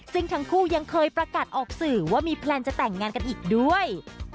ซึ่งทั้งคู่ยังเคยประกาศออกสื่อว่ามีแพลนจะแต่งงานกันอีกด้วย